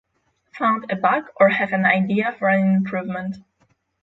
Found a bug, or have an idea for an improvement?